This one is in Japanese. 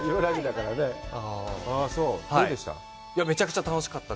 どうでした？